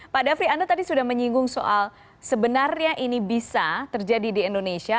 pak dafri anda tadi sudah menyinggung soal sebenarnya ini bisa terjadi di indonesia